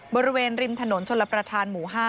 บริเวณริมถนนชลประธานหมู่๕